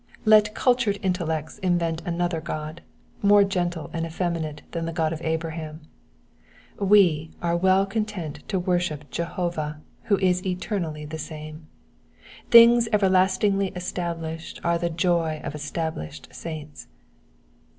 Let " cultured intellects" invent another god, more gentle and effeminate than the God of Abraham ; we are well content to worship Jehovah, who is eternally the same. Things everlastingly established are the joy of established saints.